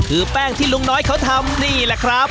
คือแป้งที่ลุงน้อยเขาทำนี่แหละครับ